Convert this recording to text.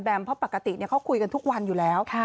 เพราะปกติเขาคุยกันทุกวันอยู่แล้ว